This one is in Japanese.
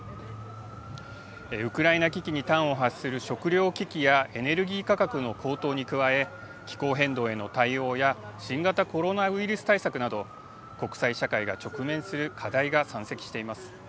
ウクライナ危機に端を発する食料危機やエネルギー価格の高騰に加え気候変動への対応や新型コロナウイルス対策など国際社会が直面する課題が山積しています。